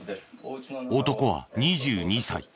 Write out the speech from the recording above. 男は２２歳。